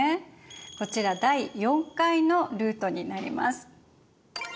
こちら第４回のルートになります。